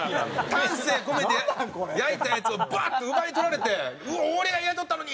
丹精込めて焼いたやつをバッと奪いとられて俺が焼いとったのに！